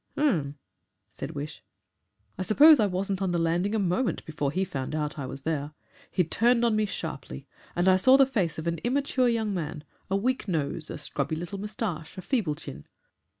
"Um," said Wish. "I suppose I wasn't on the landing a moment before he found out I was there. He turned on me sharply, and I saw the face of an immature young man, a weak nose, a scrubby little moustache, a feeble chin.